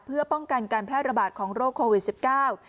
เพื่อป้องกันการแพร่ระบาดของโรคโควิดสิบเก้า